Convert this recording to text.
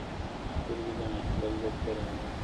سترګي د محفل درته را واړوم؛